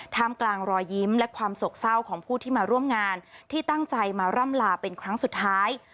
มกลางรอยยิ้มและความโศกเศร้าของผู้ที่มาร่วมงานที่ตั้งใจมาร่ำลาเป็นครั้งสุดท้าย